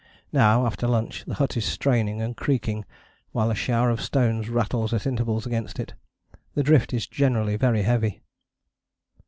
Now, after lunch, the hut is straining and creaking, while a shower of stones rattles at intervals against it: the drift is generally very heavy."